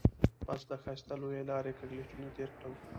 بس د ښایسته لويې لارې کږلېچونه تېر کړل.